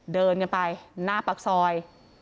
เดินกันไปหน้าปากซอย